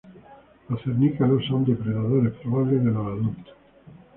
Los cernícalos son depredadores probables de los adultos.